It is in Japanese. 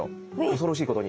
恐ろしいことに。